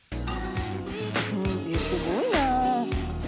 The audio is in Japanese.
すごいな。